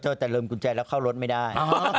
แต่ลืมกุญแจแล้วเข้ารถไม่ได้